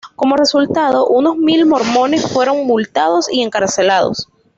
Como resultado, unos mil mormones fueron multados y encarcelados.